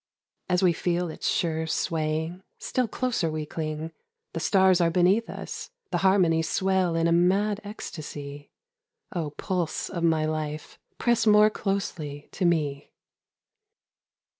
As we feel its sure swaying Still closer we cling, The stars are beneath us, The harmonies swell in a mad ecstasy, Oh pulse of my life, press more closely to me.